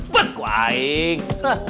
buat gua aing